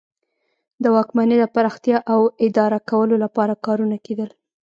د واکمنۍ د پراختیا او اداره کولو لپاره کارونه کیدل.